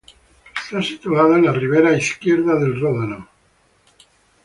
Está situada en la ribera izquierda del Ródano.